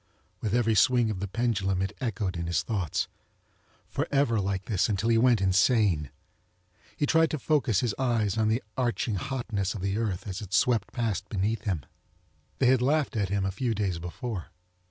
With every swing of the pendulum it echoed in his thoughts. For ever like this until he went insane. He tried to focus his eyes on the arching hotness of the earth as it swept past beneath him. They had laughed at him a few days before.